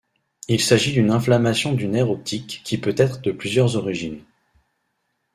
Il s'agit d'une inflammation du nerf optique qui peut être de plusieurs origines.